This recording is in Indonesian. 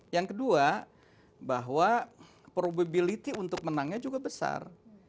yang kedua bahwa probability untuk menangnya juga besar